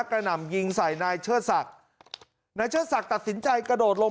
เอากระหน่ำยิงใส่นายเชื้อสัตว์นายเชื้อสัตว์ตัดสินใจกระโดดลง